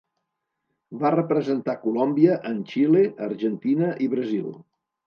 Va representar Colòmbia en Xile, Argentina i Brasil.